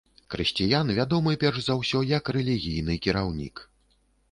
Крысціян вядомы, перш за ўсё, як рэлігійны кіраўнік.